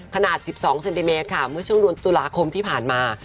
ขนาด๑๒เซนติเมตรค่ะเมื่อช่วงเดือนตุลาคมที่ผ่านมา